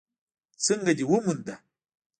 _څنګه دې وموند؟